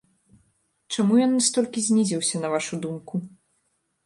Чаму ён настолькі знізіўся, на вашу думку?